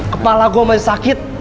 kepala gue masih sakit